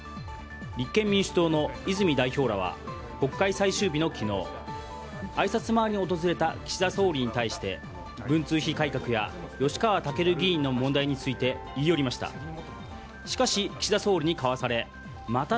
立憲民主党の泉代表らは国会最終日の昨日あいさつ回りに訪れた岸田総理に対して文通費改革や吉川赳議員の問題に対して言い寄りました。